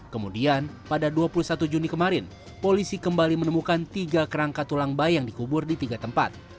kemudian pada dua puluh satu juni kemarin polisi kembali menemukan tiga kerangka tulang bayi yang dikubur di tiga tempat